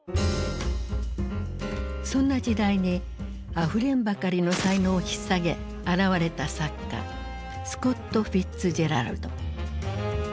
そんな時代にあふれんばかりの才能をひっ提げ現れた作家スコット・フィッツジェラルド。